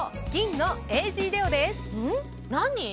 何？